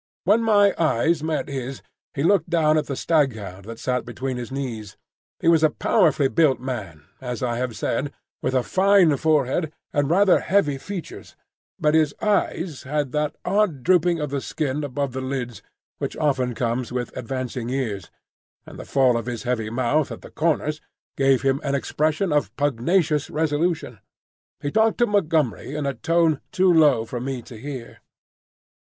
When my eyes met his, he looked down at the staghound that sat between his knees. He was a powerfully built man, as I have said, with a fine forehead and rather heavy features; but his eyes had that odd drooping of the skin above the lids which often comes with advancing years, and the fall of his heavy mouth at the corners gave him an expression of pugnacious resolution. He talked to Montgomery in a tone too low for me to hear.